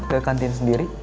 ke kantin sendiri